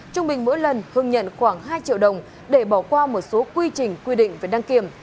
trung bình mỗi lần hưng nhận khoảng hai triệu đồng để bỏ qua một số quy trình quy định về đăng kiểm